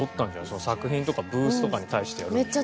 その作品とかブースとかに対して。